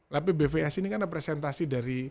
lapbvs ini kan ada presentasi dari